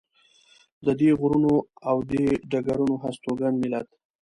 د دې غرونو او دې ډګرونو هستوګن ملت.